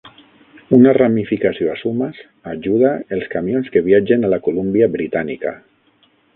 Una ramificació a Sumas ajuda els camions que viatgen a la Colúmbia Britànica.